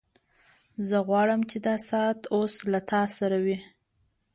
زه غواړم چې دا ساعت اوس له تا سره وي